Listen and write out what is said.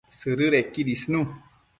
Sëdëdequid isnu